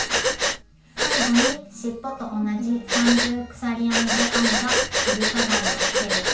最後にしっぽと同じ三重鎖編みで編んだ首飾りをつけると。